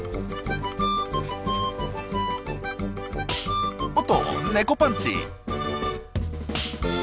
おっと猫パンチ！